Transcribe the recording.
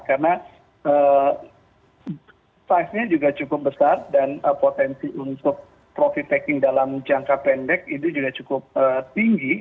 karena price nya juga cukup besar dan potensi untuk profit taking dalam jangka pendek itu juga cukup tinggi